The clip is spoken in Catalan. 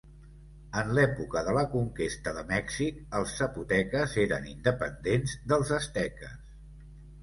En l'època de la conquesta de Mèxic els zapoteques eren independents dels asteques.